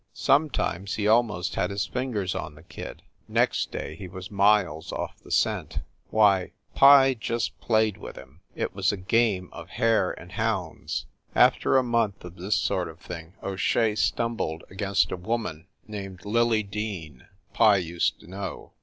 Sometimes he almost had his fingers on the kid; next day he was miles off the scent. Why, Pye just played with him ; it was a game of hare and hounds. After a month of this sort of thing, O Shea stumbled against a woman named Lily Dean, Pye used to know.